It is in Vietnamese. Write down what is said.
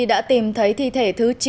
đã tìm thấy thi thể thứ chín